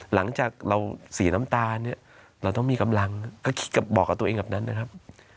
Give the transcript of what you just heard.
หลังจากเราสี่น้ำตาเราก็ต้องมีกำลังก็คิดกับบอกกับตัวเองกับนั้นนะครับ